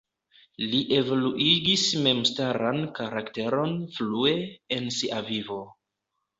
Li evoluigis memstaran karakteron frue en sia vivo.